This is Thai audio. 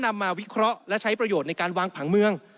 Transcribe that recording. นำมาวิเคราะห์และใช้ประโยชน์ในการวางผังเมือง